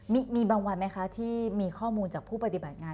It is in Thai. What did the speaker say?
มีบางวันไหมคะที่มีข้อมูลจากผู้ปฏิบัติงาน